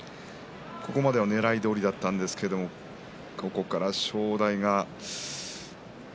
途中まではねらいどおりだったんですがそこから正代が。